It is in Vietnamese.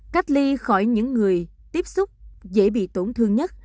cách ly khỏi những người tiếp xúc dễ bị tổn thương nhất